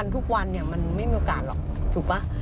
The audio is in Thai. ทุกวันมันไม่มีโอกาสหรอกถูกป่ะ